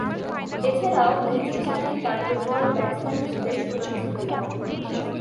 এছাড়াও, নিচেরসারির কার্যকরী ব্যাটসম্যান হিসেবে সুনাম ছিল তার।